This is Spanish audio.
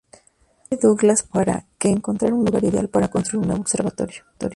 E. Douglass para que encontrara un lugar ideal para construir un nuevo observatorio.